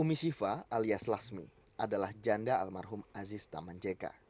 umi syifa alias lasmi adalah janda almarhum aziz taman jeka